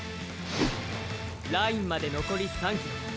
ラインまで残り３ｋｍ。